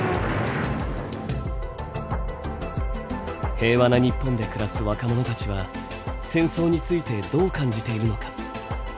平和な日本で暮らす若者たちは戦争についてどう感じているのか。